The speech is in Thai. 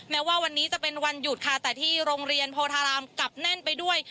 แม้ว่าวันนี้จะเป็นวันหยุดค่ะแต่ที่โรงเรียนโพธารามกลับแน่นไปด้วย